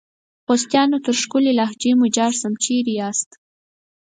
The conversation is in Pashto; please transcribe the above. خوستیانو ! تر ښکلي لهجې مو جار سم ، چیري یاست؟